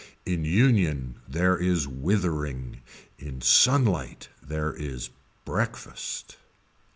In union there is withering. In sunlight there is breakfast.